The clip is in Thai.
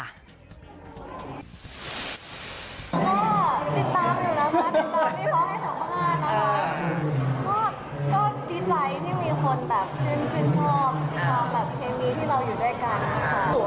ก็ติดตามอยู่นะคะติดตามที่เขาให้สัมภาษณ์นะคะก็ดีใจที่มีคนแบบชื่นชอบตามแบบเคมีที่เราอยู่ด้วยกันนะคะ